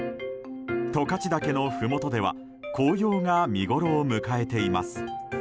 十勝岳のふもとでは紅葉が見ごろを迎えています。